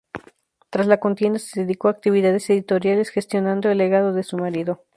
Tras la contienda se dedicó a actividades editoriales, gestionando el legado de su marido.